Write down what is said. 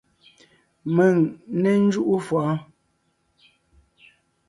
Mèŋ n né ńjúʼu fʉʼɔɔn!